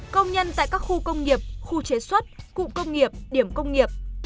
công nhân tại các khu công nghiệp khu chế xuất cụ công nghiệp điểm công nghiệp